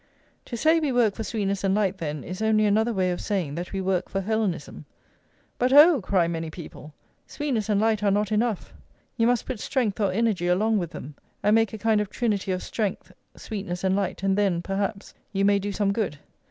To say we work for sweetness and light, then, is only another way of saying that we work for Hellenism. But, oh! cry many people, sweetness and light are not enough; you must put strength or energy along with them, and make a kind of trinity of strength, sweetness and light, and then, perhaps, you may do some good.